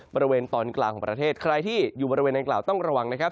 บริเวณตอนกลางของประเทศใครที่อยู่บริเวณดังกล่าวต้องระวังนะครับ